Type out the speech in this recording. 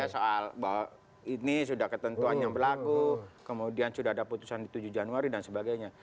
soal bahwa ini sudah ketentuan yang berlaku kemudian sudah ada putusan di tujuh januari dan sebagainya